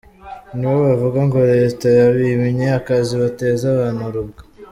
Ni bo bavuga ngo Leta yabimye akazi bateza abantu urubwa…”